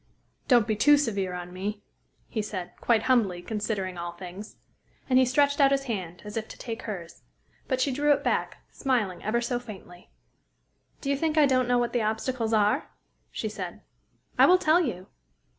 "Don't be too severe on me," he said quite humbly, considering all things. And he stretched out his hand, as if to take hers. But she drew it back, smiling ever so faintly. "Do you think I don't know what the obstacles are?" she said. "I will tell you."